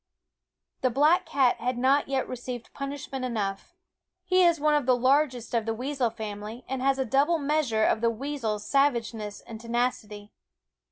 The black cat had not yet received punish ment enough. He is one of the largest of the weasel family, and has a double measure of the weasel's savageness and tenacity.